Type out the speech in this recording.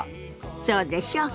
そうでしょ？